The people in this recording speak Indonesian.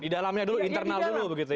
di dalamnya dulu internal dulu begitu ya